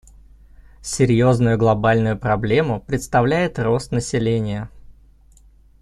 Серьезную глобальную проблему представляет рост населения.